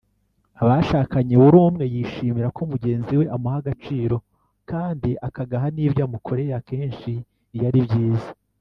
Abashakanye buri umwe yishimira ko mugenzi we amuha agaciro kandi akagaha n’ibyo amukoreye akenshi iyo ari byiza